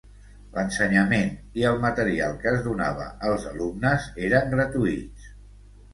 L'ensenyament i el material que es donava als alumnes eren gratuïts.